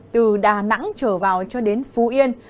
từ đà nẵng trở vào cho đến phú yên